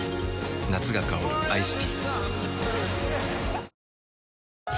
夏が香るアイスティーわぁ！